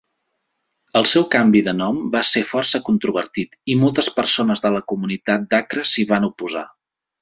El seu canvi de nom va ser força controvertit i moltes persones de la comunitat d'Accra s'hi van oposar.